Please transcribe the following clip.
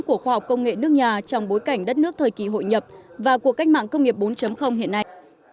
của khoa học công nghệ nước nhà trong bối cảnh đất nước thời kỳ hội nhập và cuộc cách mạng công nghiệp bốn hiện nay